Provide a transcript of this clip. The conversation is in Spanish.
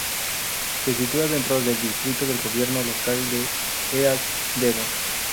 Se sitúa dentro del distrito de gobierno local de East Devon.